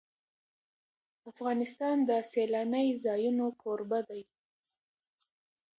افغانستان د سیلانی ځایونه کوربه دی.